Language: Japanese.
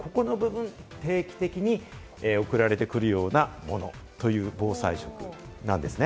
ですから、ここの部分が定期的に送られてくるような防災食なんですね。